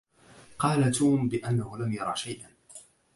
قال توم بأنه لم يرى شيئا.